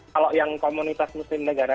kalau yang komunitas muslim negara